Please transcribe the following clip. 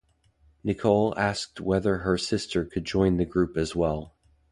Nicole asked whether her sister could join the group as well.